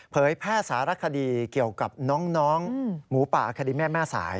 แพทย์สารคดีเกี่ยวกับน้องหมูป่าคดีแม่แม่สาย